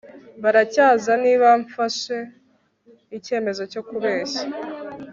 Biracyaza niba mfashe icyemezo cyo kubeshya